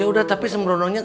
yaudah tapi sembrononya